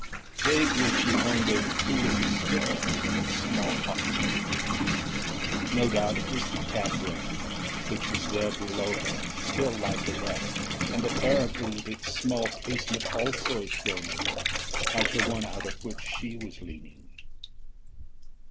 Vaguely she wondered who was astir in the small hostelry. No doubt it was the tap room which was there below her, still lighted up, and apparently with its small casement also thrown open, like the one out of which she was leaning.